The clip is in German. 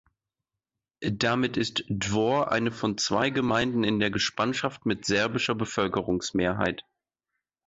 Damit ist Dvor eine von zwei Gemeinden in der Gespanschaft mit serbischer Bevölkerungsmehrheit.